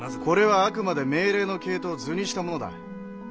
これはあくまで命令の系統を図にしたものだ。